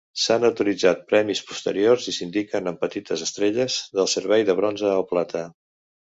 S'han autoritzat premis posteriors i s'indiquen amb petites estrelles de servei de bronze o plata.